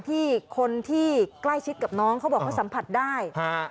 ที่คนที่ใกล้ชิดกับน้องเขาบอกเขาสัมผัสได้